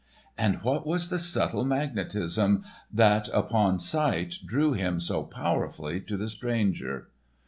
And what was the subtle magnetism that upon sight, drew him so powerfully to the stranger?